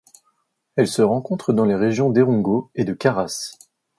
Elle se rencontre dans les régions d'Erongo et de Karas.